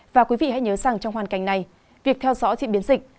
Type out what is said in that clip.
và quý vị hãy nhớ rằng trong hoàn cảnh này việc theo dõi diễn biến dịch